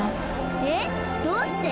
えっどうして？